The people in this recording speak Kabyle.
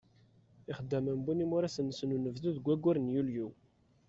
Ixeddamen wwin imuras-nsen n unebdu deg waggur n Yulyu.